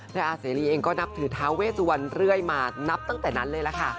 อาเสรีเองก็นับถือท้าเวสวันเรื่อยมานับตั้งแต่นั้นเลยล่ะค่ะ